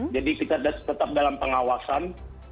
jadi kita tetap dalam pengawasan